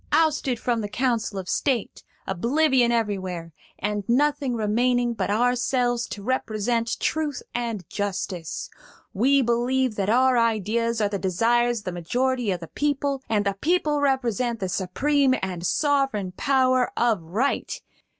ousted from the council of state, oblivion everywhere, and nothing remaining but ourselves to represent Truth and Justice. We believe that our ideas are the desires of the majority of the people, and the people represent the supreme and sovereign power of Right!